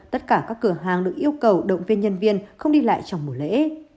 tất cả các cửa hàng được yêu cầu động viên nhân viên không đi lại trong mùa lễ